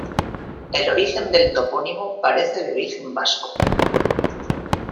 El origen del topónimo parece de origen vasco.